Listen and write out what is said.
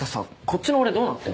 こっちの俺どうなって。